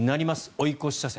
追い越し車線。